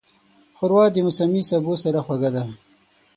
ښوروا د موسمي سبو سره خوږه ده.